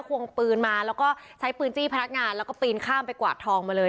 ควงปืนมาแล้วก็ใช้ปืนจี้พนักงานแล้วก็ปีนข้ามไปกวาดทองมาเลย